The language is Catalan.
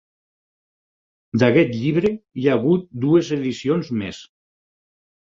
D'aquest llibre hi ha hagut dues edicions més.